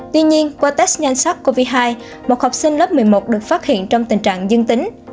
tuy nhiên qua test nhanh sắc covid một mươi chín một học sinh lớp một mươi một được phát hiện trong tình trạng dân tính